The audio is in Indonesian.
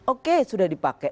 oke sudah dipakai